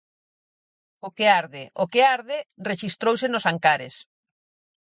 O que arde 'O que arde' rexistrouse nos Ancares.